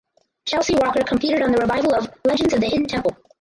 Chelsea Walker competed on the revival of "Legends of the Hidden Temple".